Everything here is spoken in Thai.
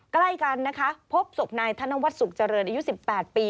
ใกล้กันนะคะพบศพนายธนวัฒนสุขเจริญอายุ๑๘ปี